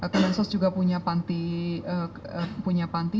kelonsos juga punya panti